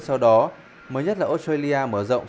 sau đó mới nhất là australia mở rộng